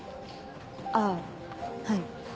あぁはい。